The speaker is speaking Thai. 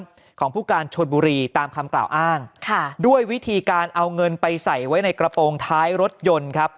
ของผู้การชนบุรีตามคำกล่าวอ้างค่ะด้วยวิธีการเอาเงินไปใส่ไว้ในกระโปรงท้ายรถยนต์ครับ